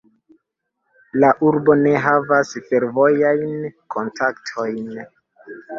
La urbo ne havas fervojajn kontaktojn.